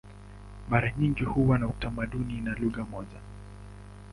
Mara nyingi huwa na utamaduni na lugha moja.